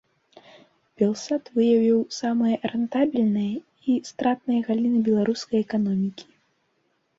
Белстат выявіў самыя рэнтабельныя і стратныя галіны беларускай эканомікі.